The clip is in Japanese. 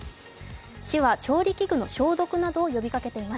市は調理器具の消毒などを呼びかけています。